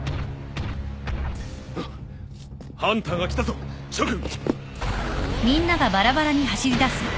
あっハンターが来たぞ諸君！